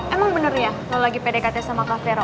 emang bener ya lo lagi pdkt sama kavero